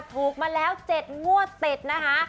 ถูกมาแล้วเจ็ดงวดเต็ดนะคะ